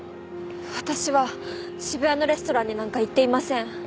私は渋谷のレストランになんか行っていません。